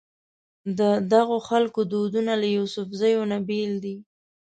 ددغو خلکو دودونه له یوسفزو نه بېل دي.